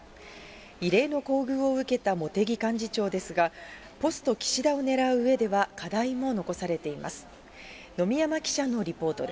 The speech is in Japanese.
異例の厚遇を受けた茂木幹事長ですが、ポスト岸田を狙ううえでは、課題も残されています。